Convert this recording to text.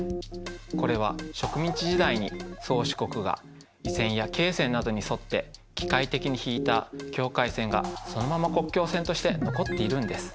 これは植民地時代に宗主国が緯線や経線などに沿って機械的に引いた境界線がそのまま国境線として残っているんです。